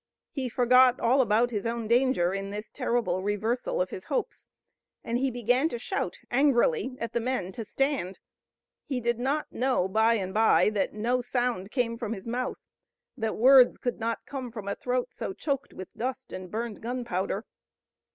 He forgot all about his own danger in this terrible reversal of his hopes, and he began to shout angrily at the men to stand. He did not know by and by that no sound came from his mouth, that words could not come from a throat so choked with dust and burned gunpowder.